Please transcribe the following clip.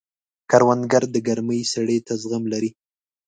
کروندګر د ګرمۍ سړې ته زغم لري